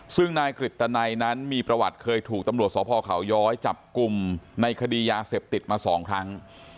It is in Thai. ซึ่งนายกฤตนัยนั้นมีประวัติเคยถูกตำรวจสพเขาย้อยจับกลุ่มในคดียาเสพติดมา๒ครั้ง